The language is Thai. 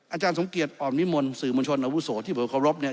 อาจารย์สมเกียจออมนิมนต์สื่อมวลชนอาวุโสที่ผมเคารพเนี่ย